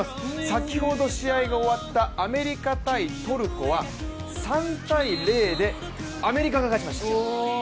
先ほど試合が終わったアメリカ×トルコは３−０でアメリカが勝ちました。